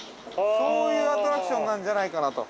そういうアトラクションなんじゃないかなと。